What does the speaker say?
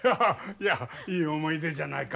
いやいい思い出じゃないか。